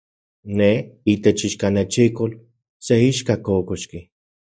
Ne, itech ichkanechikol, se ixka kokoxki.